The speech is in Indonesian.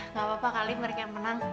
nggak apa apa kali mereka yang menang